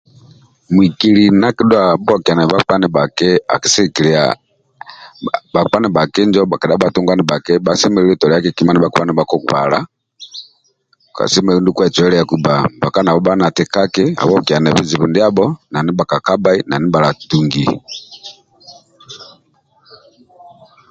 Mwikili ndia akidhuwaga abhuokiana bhakpa ndibhaki akisigikila bhakpa ndibhaki njo kedha bhatungua ndibhaki bhasemelelu toliaki kima ndibha kibha nibhakibala na ndia bhatungio nanga kasemelelu kwecweliaku bba